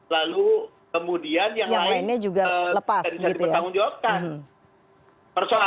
lalu kemudian yang lain tidak bisa dipertanggungjawabkan